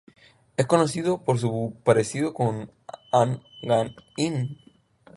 Es conocida por su parecido con Han Ga-in.